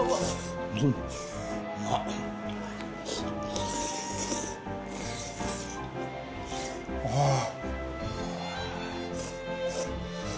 うまっ。はあ。